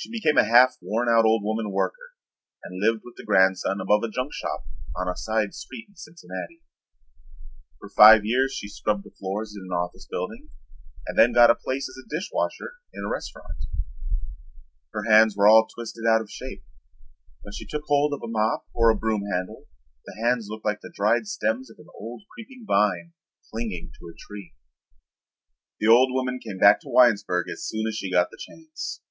She became a half worn out old woman worker and lived with the grandson above a junk shop on a side street in Cincinnati. For five years she scrubbed the floors in an office building and then got a place as dish washer in a restaurant. Her hands were all twisted out of shape. When she took hold of a mop or a broom handle the hands looked like the dried stems of an old creeping vine clinging to a tree. The old woman came back to Winesburg as soon as she got the chance.